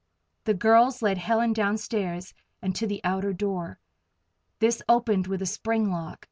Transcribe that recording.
The girls led Helen downstairs and to the outer door. This opened with a spring lock.